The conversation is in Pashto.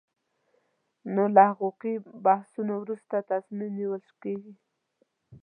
نو له حقوقي مبحثونو وروسته تصمیم نیول کېږي.